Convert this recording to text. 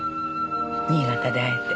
新潟で会えて。